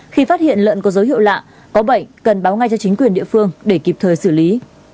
khi phát hiện lợn có dấu hiệu lạ có bệnh cần báo ngay cho chính quyền địa phương để kịp thời xử lý